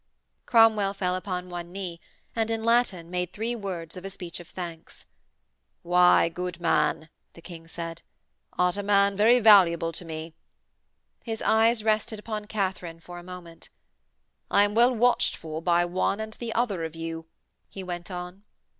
Cromwell fell upon one knee, and, in Latin, made three words of a speech of thanks. 'Why, good man,' the King said, 'art a man very valuable to me.' His eyes rested upon Katharine for a moment. 'I am well watched for by one and the other of you,' he went on.